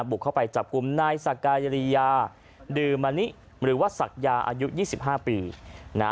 บุกเข้าไปจับกลุ่มนายสักกายรียาดือมณิหรือว่าศักยาอายุ๒๕ปีนะ